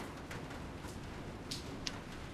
مصنوعي ځیرکتیا د فکر خپلواکي تر بحث لاندې راولي.